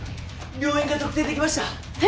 病院が特定できました！え？